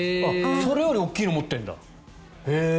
それより大きいのを持っているんだ。